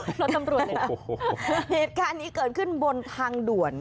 เหตุการณ์นี้เกิดขึ้นบนทางด่วน